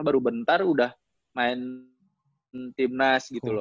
baru bentar udah main timnas gitu loh